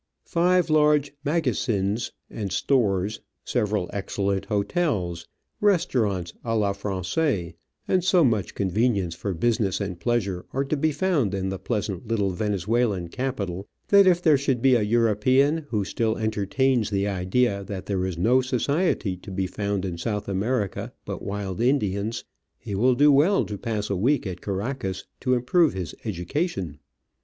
Fine large magasins and stores, several excellent hotels, restaurants a la franqaise, and so much con venience for business and pleasure are to be found in the pleasant little Venezuelan capital, that if there should be a European who still entertains the idea that there is no society to be found in South America but wild Indians, he will do well to pass a week at Caracas to improve his education.